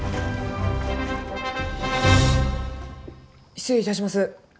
失礼いたします。